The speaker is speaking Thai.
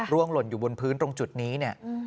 หล่นอยู่บนพื้นตรงจุดนี้เนี่ย